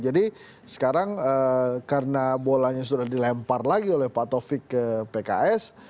jadi sekarang karena bolanya sudah dilempar lagi oleh pak tovik ke pks